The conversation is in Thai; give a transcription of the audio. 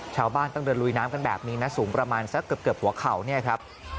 ชาวบ้านต้องเดินลุยน้ำกันแบบนี้นะสูงประมาณสักเกือบหัวเข่าเนี่ยครับ